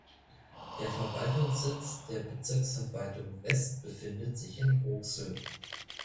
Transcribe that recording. Der Verwaltungssitz der Bezirksverwaltung West befindet sich in Roxel.